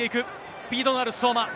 スピードのある相馬。